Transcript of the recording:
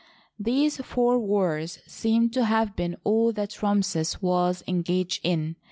These four wars seem to have been all that Ramses was engaged in.